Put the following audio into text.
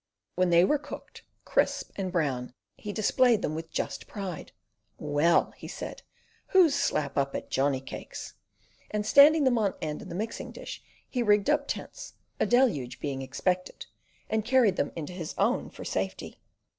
When they were cooked, crisp and brown, he displayed them with just pride. "Well!" he said. "Who's slap up at Johnny cakes?" and standing them on end in the mixing dish he rigged up tents—a deluge being expected—and carried them into his own for safety.